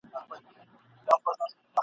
او د هغه عالي مفاهیم !.